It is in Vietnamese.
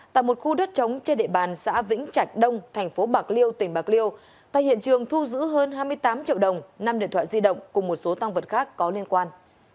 tại một khu đất trống trên địa bàn xã vĩnh trạch đông thành phố bạc liêu tỉnh bạc liêu tại hiện trường thu giữ hơn hai mươi tám triệu đồng năm điện thoại di động cùng một số tăng vật khác có liên quan